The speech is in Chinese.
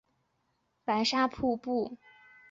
可在中横公路白沙桥附近远观白沙瀑布。